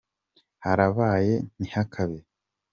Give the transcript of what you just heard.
Harabaye ntihakabe.